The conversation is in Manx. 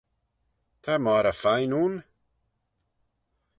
Ta moghrey fine ayn.